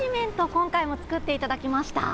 今回も作っていただきました。